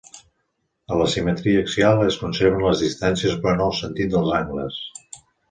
A la simetria axial es conserven les distàncies però no el sentit dels angles.